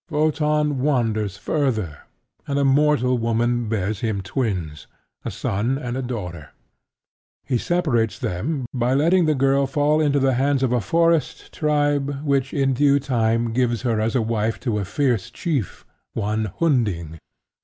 Wotan wanders further; and a mortal woman bears him twins: a son and a daughter. He separates them by letting the girl fall into the hands of a forest tribe which in due time gives her as a wife to a fierce chief, one Hunding.